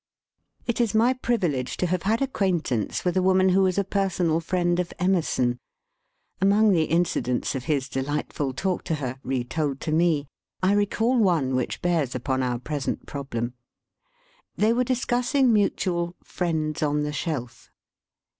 It is my privilege to have had acquaint ance with a woman who was a personal friend of Emerson. Among the incidents of his delightful talk to her, retold to me, I re call one which bears upon our present prob lem. They were discussing mutual " Friends on the Shelf.